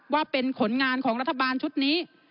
ว่าเป็นผลงานของรัฐบาลชุดนี้